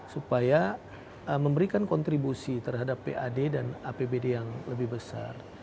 supaya memberikan kontribusi terhadap pad dan apbd yang lebih besar